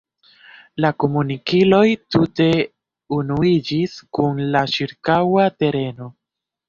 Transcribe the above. La komunikiloj tute unuiĝis kun la ĉirkaŭa tereno.